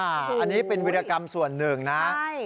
อันนี้เป็นวิรากรรมส่วนหนึ่งนะ